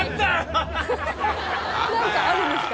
何かあるんですか？